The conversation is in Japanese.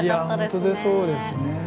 いや本当にそうですね。